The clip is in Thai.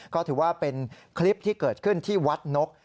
ก็ถือว่าเป็นคลิปที่เกิดขึ้นที่วัดนก